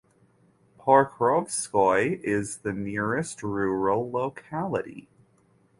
Pokrovskoye is the nearest rural locality.